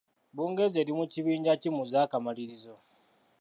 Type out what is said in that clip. Bungereza eri mu kibinja ki mu z'akamalirizo?